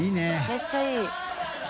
めっちゃいい。